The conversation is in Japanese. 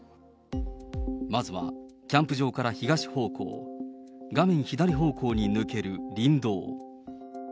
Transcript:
まずはキャンプ場から東方向、画面左方向に抜ける林道。